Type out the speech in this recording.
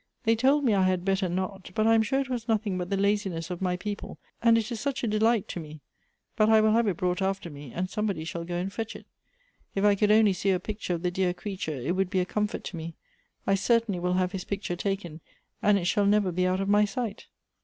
They told me I had better not ; but I am sure it was nothing but the. laziness of my people, and it is such a delight to me. But I will have it brought after me ; and somebody shall go and fetch it. If I could only see a picture of the dear creature, it would be a comfort to me ; I certainly will have his picture taken, and it shall never be out of my sight."